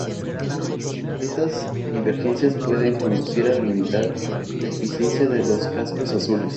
Estas divergencias pueden conducir a limitar la eficacia de los Cascos azules.